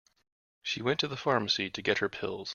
She went to the pharmacy to get her pills.